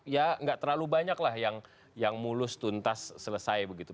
ya nggak terlalu banyak lah yang mulus tuntas selesai begitu